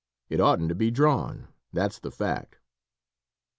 It oughtn't to be drawn; that's the fact."